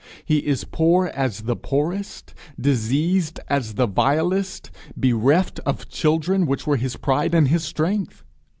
He is poor as the poorest, diseased as the vilest, bereft of the children which were his pride and his strength!